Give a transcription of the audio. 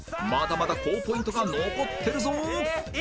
まだまだ高ポイントが残ってるぞ